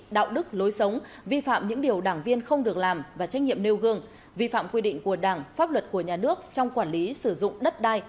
đạo đức lối sống vi phạm những điều đảng viên không được làm và trách nhiệm nêu gương vi phạm quy định của đảng pháp luật của nhà nước trong quản lý sử dụng đất đai